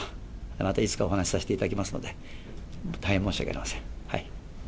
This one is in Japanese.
またいつかお話させていただきますので、大変申し訳ありません。